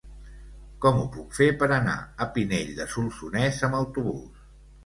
Com ho puc fer per anar a Pinell de Solsonès amb autobús?